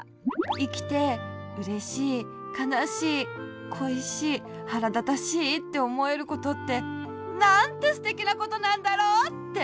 いきて「うれしい」「かなしい」「こいしい」「はらだたしい」っておもえることってなんてすてきなことなんだろう！って。